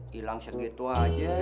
hilang segitu aja